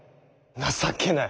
情けない！